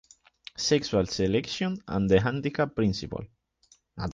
Sexual selection and the handicap principle.